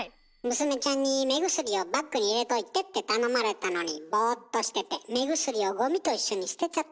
娘ちゃんに目薬をバッグに入れといてって頼まれたのにボーっとしてて目薬をゴミと一緒に捨てちゃったんだって？